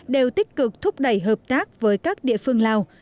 đều tích cực thúc đẩy hợp tác với các địa phương lào